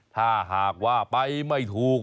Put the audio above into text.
ถ้าหากว่าไปไม่ถูก